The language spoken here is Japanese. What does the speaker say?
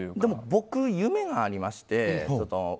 僕、夢がありまして。